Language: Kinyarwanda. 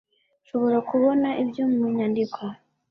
nshobora kubona ibyo mu nyandiko